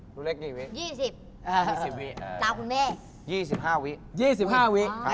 หนูเล็กกี่วิ๒๐วิต่อคุณแม่